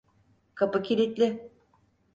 Kapı kilitli.